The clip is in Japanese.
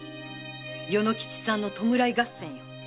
与之吉さんの弔い合戦よ。